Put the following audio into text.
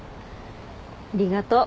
ありがとう。